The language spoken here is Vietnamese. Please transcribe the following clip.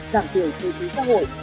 giảm thiểu chi phí xã hội